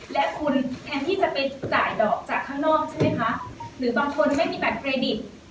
และคุณแทนที่จะไปจ่ายดอกจากข้างนอกใช่ไหมคะหรือบางคนไม่มีบัตรเครดิต